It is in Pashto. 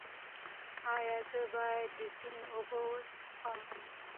ایا زه باید د سیند اوبه وڅښم؟